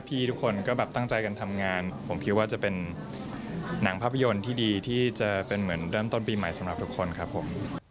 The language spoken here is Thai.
ทุกคนก็แบบตั้งใจกันทำงานผมคิดว่าจะเป็นหนังภาพยนตร์ที่ดีที่จะเป็นเหมือนเริ่มต้นปีใหม่สำหรับทุกคนครับผม